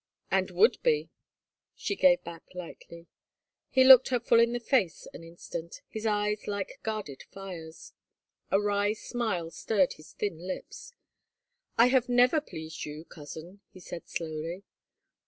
"" And would be," she gave back lightly. He looked her full in the face an instant, his eyes like guarded fires. A wry smile stirred his thin lips. " I have never pleased you, cousin," he said slowly.